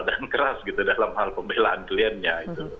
dan keras gitu dalam hal pembelaan kliennya